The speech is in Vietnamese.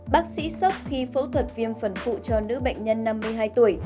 bác sĩ sốc khi phẫu thuật viêm phần phụ cho nữ bệnh nhân năm mươi hai tuổi